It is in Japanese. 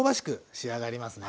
仕上がりますね。